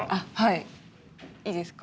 いいですか？